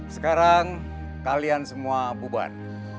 sekarang kalian semua buban